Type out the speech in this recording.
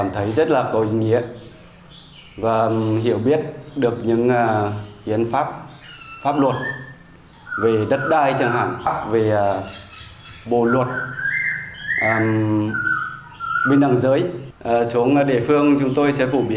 trọt chăn nuôi